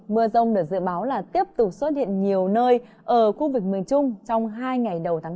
mưa rông được dự báo là tiếp tục xuất hiện nhiều nơi ở khu vực miền trung trong hai ngày đầu tháng bốn